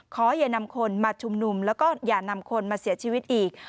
ขออย่านำคนมาชุมนุมแล้วก็อย่านำคนมาเสียชีวิตอีก